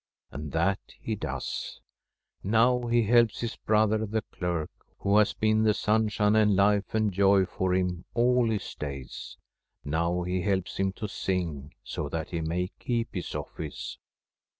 And that he does. Now he helps his brother, the clerk, who has been the sun shine and life and joy for him all his days. Now he helps him to sing, so that he may keep his office.